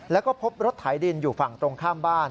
แล้วก็พบรถไถดินอยู่ฝั่งตรงข้ามบ้าน